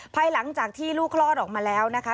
ภายหลังจากที่ลูกคลอดออกมาแล้วนะคะ